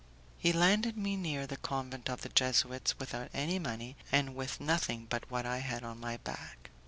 He landed me near the convent of the Jesuits, without any money, and with nothing but what I had on my back.